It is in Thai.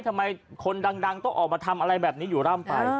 ทำไมคนดังต้องออกมาทำอะไรแบบนี้อยู่ร่ำไป